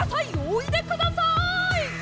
おいでください！」